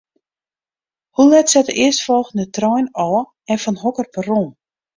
Hoe let set de earstfolgjende trein ôf en fan hokker perron?